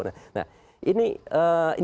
nah ini ini adalah hal yang sangat penting